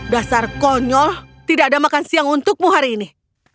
dasar konyol tidak ada makan siang untukmu hari ini